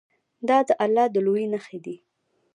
دا د الله د لویۍ نښې دي.